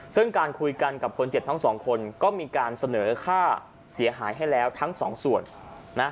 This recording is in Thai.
ซึ่งการคุยกันกับคนเจ็บทั้งสองคนก็มีการเสนอค่าเสียหายให้แล้วทั้งสองส่วนนะ